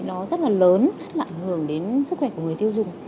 nó rất là lớn lạng hưởng đến sức khỏe của người tiêu dùng